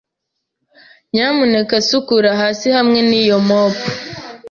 Nyamuneka sukura hasi hamwe niyi mope.